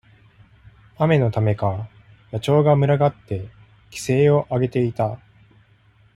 雨のためか、野鳥が群がって奇声をあげていた。